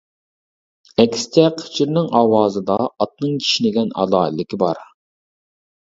ئەكسىچە، قېچىرنىڭ ئاۋازىدا ئاتنىڭ كىشنىگەن ئالاھىدىلىكى بار.